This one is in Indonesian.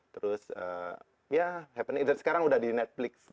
terus ya happening sekarang sudah di netflix global